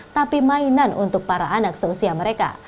tapi mainan untuk para anak seusia mereka